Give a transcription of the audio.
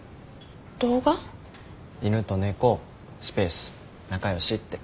「犬と猫スペース仲良し」って。